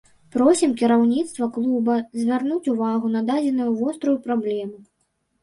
Просім кіраўніцтва клуба звярнуць увагу на дадзеную вострую праблему.